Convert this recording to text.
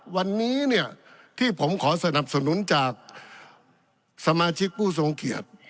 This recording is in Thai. วันนี้เนี่ยที่ผมขอสนับสนุนจากสมาชิกผู้ทรงเกียรติ